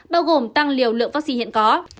bao gồm tăng liều lượng vaccine hiện có